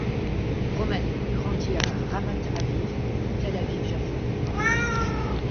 Vromen grandit à Ramat Aviv, Tel Aviv-Jaffa.